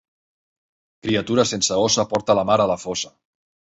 Criatura sense ossa porta la mare a la fossa.